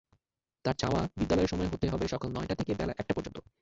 তার চাওয়া, বিদ্যালয়ের সময় হতে হবে সকাল নয়টা থেকে বেলা একটা পর্যন্ত।